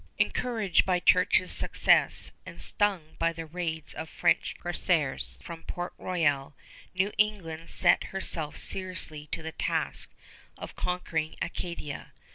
Encouraged by Church's success and stung by the raids of French corsairs from Port Royal, New England set herself seriously to the task of conquering Acadia.